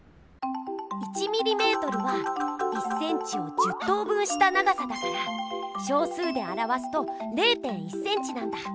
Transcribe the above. １ｍｍは１センチを１０等分した長さだから小数であらわすと０．１センチなんだ。